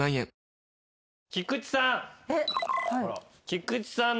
菊地さん。